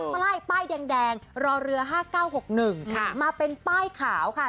ป้ายป้ายแดงรอเรือ๕๙๖๑มาเป็นป้ายขาวค่ะ